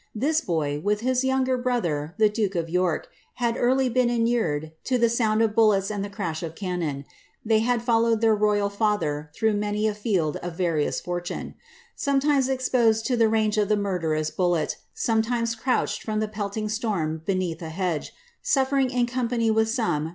This boy, with his young brother, the duke of York, had early been inured to the sound of bullets and the oish of cannon ; they had followed their royal father through many a field of various fortune. Sometimes exposed to the range of the mur derous bullet,' sometimes crouched from the pelting storm beneath a kdge, suffering in company with some much enduring divine of the 'Memoirs of Henrietta Maria, 1672, pp.